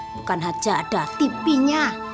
bukan saja ada tv nya